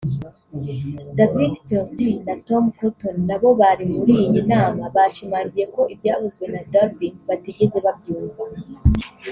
David Perdue na Tom Cotton nabo bari muri iyi nama bashimangiye ko ibyavuzwe na Durbin batigeze babyumva